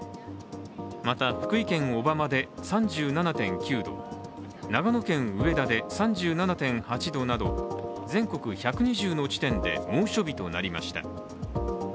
また、福井県小浜で３７．９度、長野県上田で３７．８度など全国１２０の地点で猛暑日となりました。